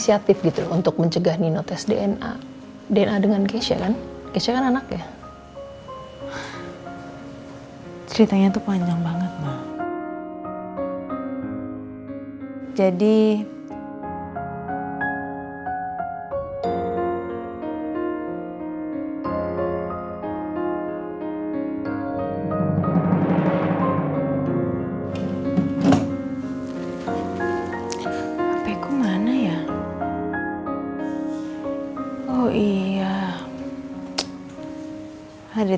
ada di tempat kesukaan di mobil